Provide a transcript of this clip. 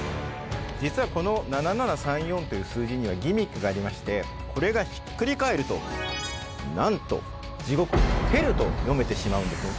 じつはこの７７３４という数字にはギミックがありましてこれがひっくり返るとなんと地獄ｈｅｌｌと読めてしまうんですね。